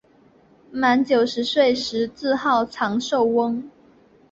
满九十岁时自号长寿翁。